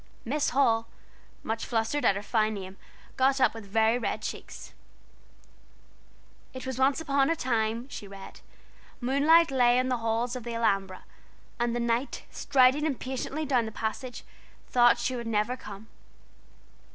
"Miss Hall," much flustered at her fine name, got up with very red cheeks. "It was once upon a time," she read, "Moonlight lay on the halls of the Alhambra, and the knight, striding impatiently down the passage, thought she would never come."